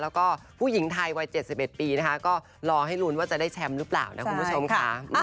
แล้วก็ผู้หญิงไทยวัย๗๑ปีนะคะก็รอให้ลุ้นว่าจะได้แชมป์หรือเปล่านะคุณผู้ชมค่ะ